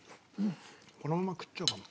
このまま食っちゃおうかな。